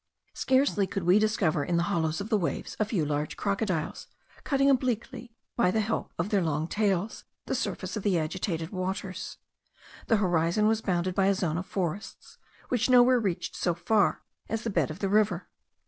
Scarcely could we discover in the hollows of the waves a few large crocodiles, cutting obliquely, by the help of their long tails, the surface of the agitated waters. The horizon was bounded by a zone of forests, which nowhere reached so far as the bed of the river.